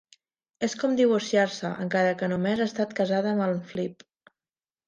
És com divorciar-se, encara que només he estat casada amb el Flip.